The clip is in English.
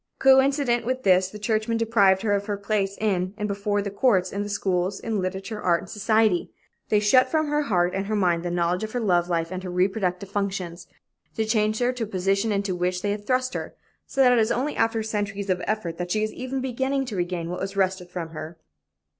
Coincident with this, the churchmen deprived her of her place in and before the courts, in the schools, in literature, art and society. They shut from her heart and her mind the knowledge of her love life and her reproductive functions. They chained her to the position into which they had thrust her, so that it is only after centuries of effort that she is even beginning to regain what was wrested from her.